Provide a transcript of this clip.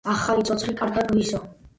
ახალი ცოცხი კარგად გვისო